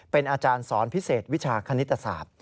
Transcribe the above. เป็นอาจารย์สอนพิเศษวิชาคณิตศาสตร์